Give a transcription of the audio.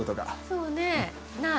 そうねない。